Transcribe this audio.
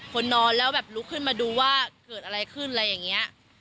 คนนอนแล้วแบบลุกขึ้นมาดูว่าเกิดอะไรขึ้นอะไรอย่างนี้